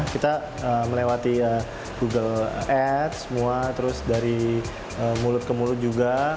kita melewati google ad semua terus dari mulut ke mulut juga